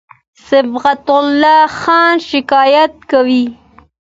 صبغت الله خان شکایت کاوه.